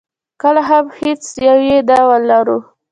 کله هم هېڅ یو یې نه ولرو.